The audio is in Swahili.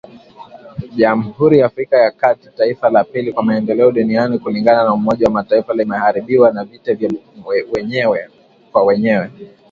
Jamhuri ya Afrika ya kati, taifa la pili kwa maendeleo duniani kulingana na Umoja wa Mataifa limeharibiwa na vita vya wenyewe kwa wenyewe.